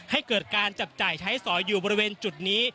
ให้เกิดการจับจ่ายใช้สอยอยู่บริเวณจุดนี้